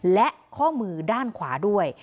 และข้อมือด้านขวาด้วย